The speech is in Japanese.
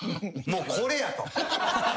もうこれやと。